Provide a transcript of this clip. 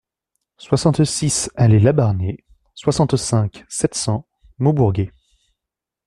soixante-six allées Labarnés, soixante-cinq, sept cents, Maubourguet